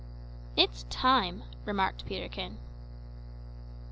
"It's time," remarked Peterkin.